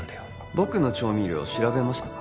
僕の調味料を調べましたか？